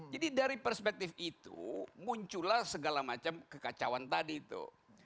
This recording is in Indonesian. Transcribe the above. jadi dari perspektif itu muncullah segala macam kekacauan tadi itu